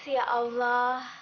terima kasih ya allah